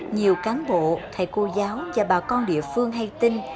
nhiều cán bộ thầy cô giáo và bà con địa phương hay tin